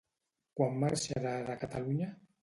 Quan marxarà de Catalunya?